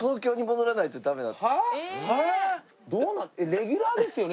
レギュラーですよね？